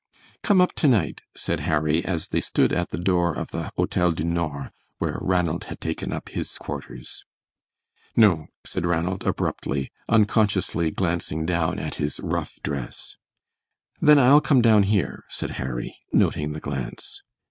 "Come up to night," said Harry, as they stood at the door of the Hotel du Nord, where Ranald had taken up his quarters. "No," said Ranald, abruptly, unconsciously glancing down at his rough dress. "Then I'll come down here," said Harry, noting the glance.